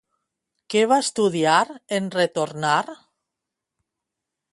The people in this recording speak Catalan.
Què va estudiar en retornar?